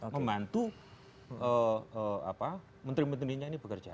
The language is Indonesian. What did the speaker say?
membantu menteri menterinya ini bekerja